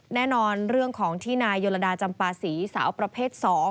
แน่นอนเรื่องของที่นายโยลดาจำปาศีสาวประเภท๒